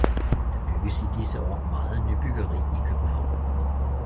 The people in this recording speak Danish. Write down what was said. Der bygges i disse år meget nybyggeri i København.